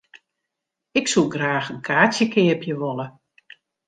Ik soe graach in kaartsje keapje wolle.